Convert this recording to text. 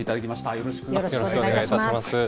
よろしくお願いします。